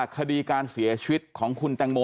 คดีการเสียชีวิตของคุณแตงโม